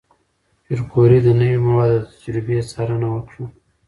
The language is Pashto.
پېیر کوري د نوې موادو د تجربې څارنه وکړه.